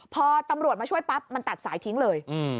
พอตำรวจมาช่วยปั๊บมันตัดสายทิ้งเลย